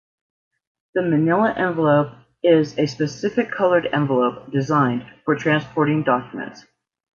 The manila envelope is a specific colored envelope designed for transporting documents.